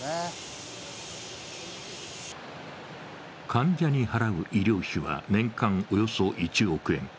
患者に払う医療費は年間およそ１億円。